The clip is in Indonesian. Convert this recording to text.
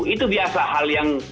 itu biasa hal yang